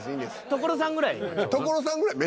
「所さんぐらい」。